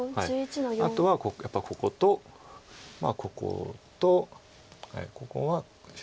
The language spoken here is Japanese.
あとはやっぱりこことこことここが白地です。